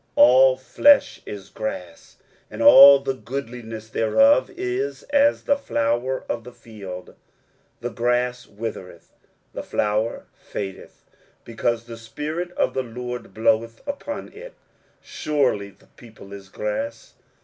All flesh is grass, and all the goodliness thereof is as the flower of the field: 23:040:007 The grass withereth, the flower fadeth: because the spirit of the LORD bloweth upon it: surely the people is grass.